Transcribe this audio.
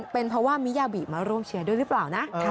เป็นเพราะว่ามิยาบิมาร่วมเชียร์ด้วยหรือเปล่านะ